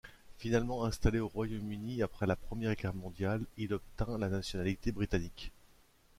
Finalement installé au Royaume-Uni après la Première Guerre mondiale, il obtint la nationalité britannique.